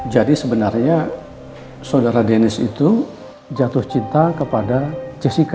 jadi sebenarnya soifki itu jatuh cinta kepada jessica